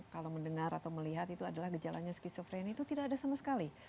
kalau mendengar atau melihat itu adalah gejalanya skizofreni itu tidak ada sama sekali